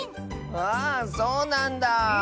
あそうなんだあ。